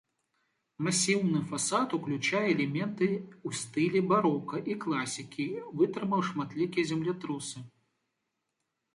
Масіўны фасад уключае элементы ў стылі барока і класікі, вытрымаў шматлікія землятрусы.